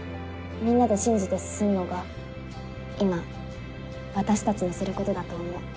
みんなで信じて進むのが今私たちのすることだと思う。